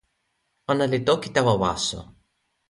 ona li toki tawa waso.